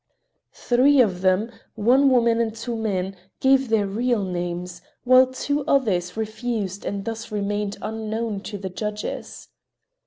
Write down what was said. Three of them, one woman and two men, gave their real names, while two others refused and thus remained unknown to the judges.